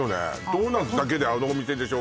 ドーナツだけであのお店でしょ？